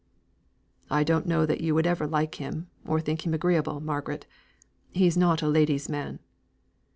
"I don't know that you would ever like him, or think him agreeable, Margaret. He is not a lady's man."